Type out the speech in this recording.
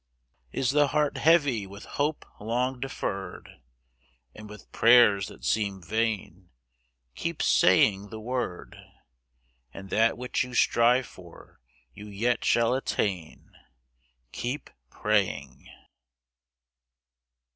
Is the heart heavy with hope long deferred, And with prayers that seem vain? Keep saying the word— And that which you strive for you yet shall attain. Keep praying.